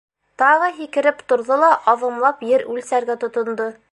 Тағы һикереп торҙо ла аҙымлап ер үлсәргә тотондо.